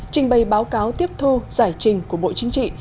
trình bày báo cáo tiếp thu giải trình của bộ chính trị